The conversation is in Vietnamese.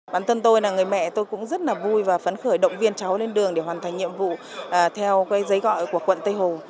bản thân tôi là người mẹ tôi cũng rất là vui và phấn khởi động viên cháu lên đường để hoàn thành nhiệm vụ theo giấy gọi của quận tây hồ